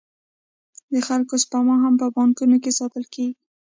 د خلکو سپما هم په بانکونو کې ساتل کېږي